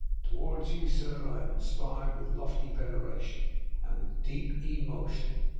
Toe wards you, sir, I am inspired with lofty veneration, and with deep e mo tion.